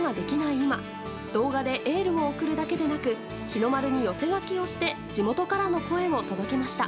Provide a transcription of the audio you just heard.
今動画でエールを送るだけでなく日の丸に寄せ書きをして地元からの声を届けました。